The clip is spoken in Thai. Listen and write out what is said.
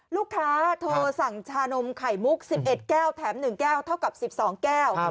ลูกค้าโทรสั่งชานมไข่มุก๑๑แก้วแถม๑แก้วเท่ากับ๑๒แก้ว